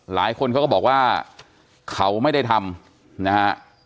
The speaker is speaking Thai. หลายคนเขาก็บอกว่าเขาไม่ได้ทำนะฮะ